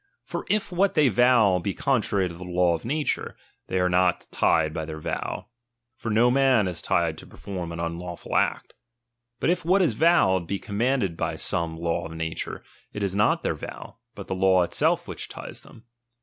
For if what they vow be contrary to the law of nature, they are not tied by their vow ; for no man is tied to perform an unlawful act. But if what is vowed, be commanded by some law of nature, it is not their vow, but the law it self which ties them.